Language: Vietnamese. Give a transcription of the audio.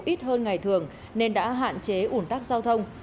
ít hơn ngày thường nên đã hạn chế ủn tắc giao thông